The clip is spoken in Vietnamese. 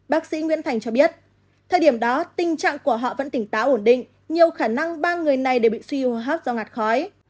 bác sĩ nguyễn thành cho biết thời điểm đó tình trạng của họ vẫn tỉnh táo ổn định nhiều khả năng ba người này đều bị suy hô hấp do ngạt khói